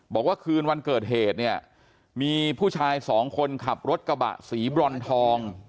บอกว่าคืนวันเกิดเหตุเนี่ยมีผู้ชายสองคนขับรถกระบะสีบรอนทอง